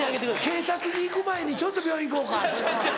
警察に行く前にちょっと病院行こうかそれは。